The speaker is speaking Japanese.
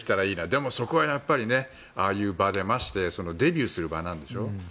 でも、そこはやっぱりああいう場でましてデビューする場なんでしょ？